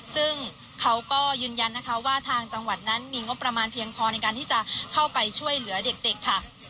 ซึ่งเขาก็ยืนยันนะคะว่าทางจังหวัดนั้นมีงบประมาณเพียงพอในการที่จะเข้าไปช่วยเหลือเด็กค่ะ